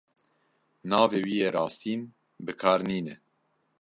Navê wî yê rastîn bi kar nîne.